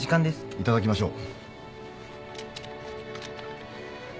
いただきましょう。